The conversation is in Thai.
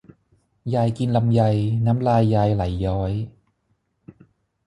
ยายกินลำไยน้ำลายยายไหลย้อย